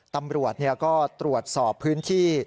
ตำรวจก็ตรวจสอบพื้นที่